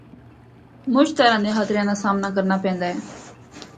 مُچ طرح دیاں خطریاں دا سامنڑا کرنا پیندا ہے۔